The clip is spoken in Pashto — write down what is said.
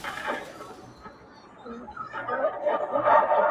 • تر څو چي واک وي د ابوجهل -